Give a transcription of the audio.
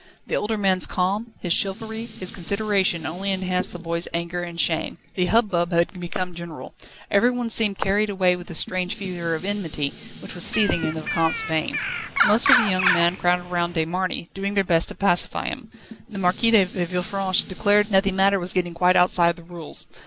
The older man's calm, his chivalry, his consideration only enhanced the boy's anger and shame. The hubbub had become general. Everyone seemed carried away with this strange fever of enmity, which was seething in the Vicomte's veins. Most of the young men crowded round De Marny, doing their best to pacify him. The Marquis de Villefranche declared that the matter was getting quite outside the rules.